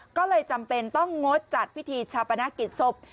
ก็เลยจำเป็นต้องงดจัดพิธีชาปนกิจศพ